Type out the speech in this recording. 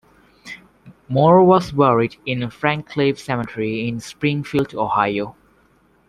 Moore was buried in Ferncliff Cemetery in Springfield, Ohio.